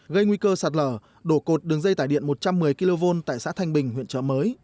gây nguy cơ sạt lở đổ cột đường dây tải điện một trăm một mươi kv tại xã thanh bình huyện trợ mới